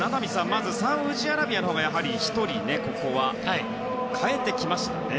まずサウジアラビアのほうが１人代えてきましたね。